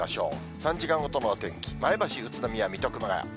３時間ごとの天気、前橋、宇都宮、水戸、熊谷。